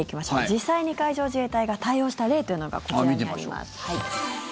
実際に海上自衛隊が対応した例というのがこちらになります。